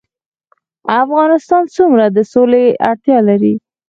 افغانستان څومره د سولې اړتیا لري؟